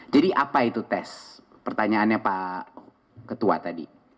apa itu tes pertanyaannya pak ketua tadi